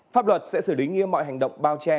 pháp luật sẽ xử lý nghiêm mọi hành động bao che